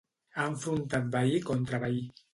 Ha enfrontat veí contra veí.